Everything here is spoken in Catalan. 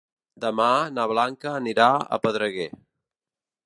Demà na Blanca anirà a Pedreguer.